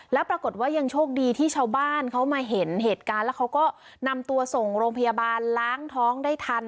แล้วปรากฏว่ายังโชคดีที่ชาวบ้านเขามาเห็นเหตุการณ์แล้วเขาก็นำตัวส่งโรงพยาบาลล้างท้องได้ทัน